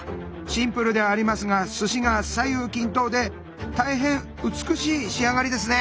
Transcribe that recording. シンプルではありますが寿司が左右均等で大変美しい仕上がりですね。